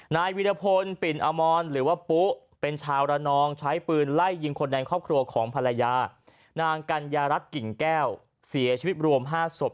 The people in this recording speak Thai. นายวิรพลปิ่นอมรหรือว่าปุ๊เป็นชาวระนองใช้ปืนไล่ยิงคนในครอบครัวของภรรยานางกัญญารัฐกิ่งแก้วเสียชีวิตรวม๕ศพ